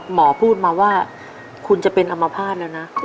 หมอพูดมาว่าคุณจะเป็นอมภาษณ์แล้วนะ